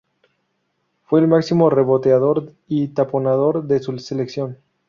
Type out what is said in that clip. Fue el máximo reboteador y taponador de su selección.